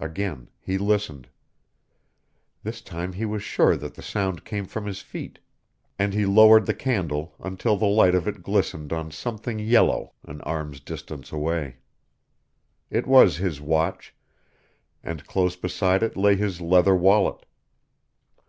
Again he listened. This time he was sure that the sound came from his feet and he lowered the candle until the light of it glistened on something yellow an arm's distance away. It was his watch, and close beside it lay his leather wallet.